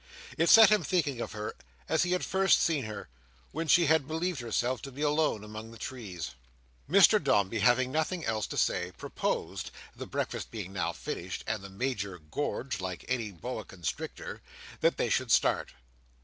It set him thinking of her as he had first seen her, when she had believed herself to be alone among the trees. Mr Dombey having nothing else to say, proposed—the breakfast being now finished, and the Major gorged, like any Boa Constrictor—that they should start.